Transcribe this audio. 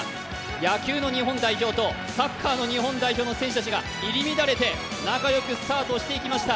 野球の日本代表とサッカーの日本代表の選手たちが入り乱れて、仲良くスタートしていきました。